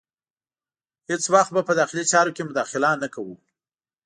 هیڅ وخت به په داخلي چارو کې مداخله نه کوو.